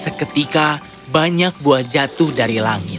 seketika banyak buah jatuh dari langit